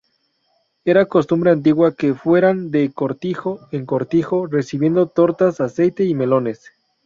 Era costumbre antigua que fueran de cortijo en cortijo recibiendo tortas, aceite y melones.